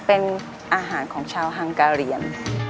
เป็นอาหารของชาวห่างกรแหลม